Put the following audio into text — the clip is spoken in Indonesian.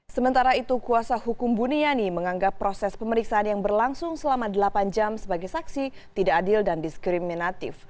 sementara itu kuasa hukum buniani menganggap proses pemeriksaan yang berlangsung selama delapan jam sebagai saksi tidak adil dan diskriminatif